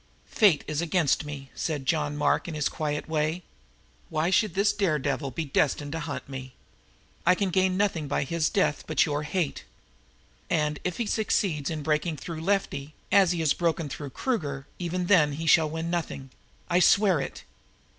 "Fate is against me," said John Mark in his quiet way. "Why should this dare devil be destined to hunt me? I can gain nothing by his death but your hate. And, if he succeeds in breaking through Lefty, as he has broken through Kruger, even then he shall win nothing. I swear it!"